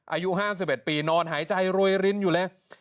อายุ๕๑ปีนอนหายใจรวยรินอยู่เลย